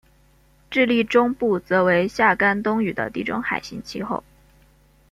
智利中部则为夏干冬雨的地中海型气候。